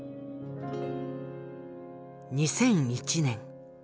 ２００１年７月。